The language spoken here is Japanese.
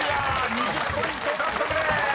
２０ポイント獲得です］